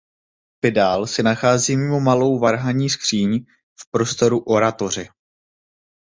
Pedál se nachází mimo malou varhanní skříň v prostoru oratoře.